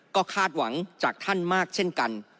ก็คาดหวังจากท่านมากเช่นกัน